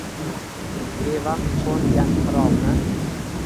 Bevaqt qoʼngan qirovni.